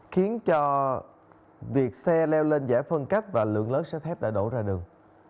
khiến cho việc xe leo lên giải phân cách và lượng lớn xe thép đã đổ ra đường